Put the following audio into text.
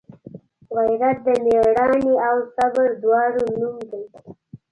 غیرت د میړانې او صبر دواړو نوم دی